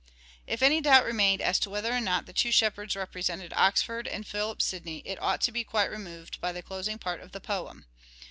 If any doubt remained as to whether or not the Cuddy's two shepherds represented Oxford and Philip Sidney verses ' it ought to be quite removed by the closing part of the poem.